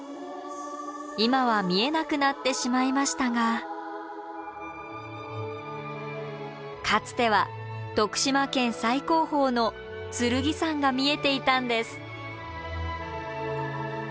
今は見えなくなってしまいましたがかつては徳島県最高峰の剣山が見えていたんです。